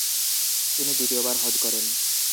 তিনি দ্বিতীয়বার হজ্জ করেন।